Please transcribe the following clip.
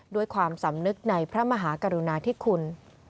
ด้วยความสำนึกในพระมหากรุณาธิคุณ